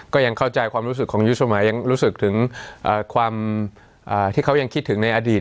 ก็ยังเข้าใจความรู้สึกของยุสมัยยังรู้สึกถึงความที่เขายังคิดถึงในอดีต